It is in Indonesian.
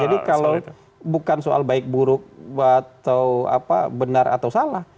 jadi kalau bukan soal baik buruk atau apa benar atau salah